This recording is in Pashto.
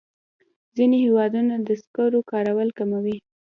ځینې هېوادونه د سکرو کارول کموي.